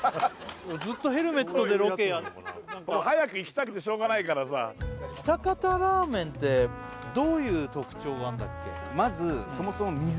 もうずっとヘルメットでロケもう早く行きたくてしょうがないからさ喜多方ラーメンってどういう特徴があんだっけ？